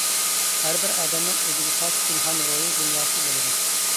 ھەر بىر ئادەمنىڭ ئۆزىگە خاس، پىنھان روھى دۇنياسى بولىدۇ.